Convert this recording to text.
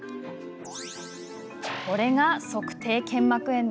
これが足底腱膜炎。